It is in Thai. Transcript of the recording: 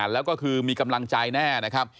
แล้วก็คือมีกำลังใจแน่นะครับ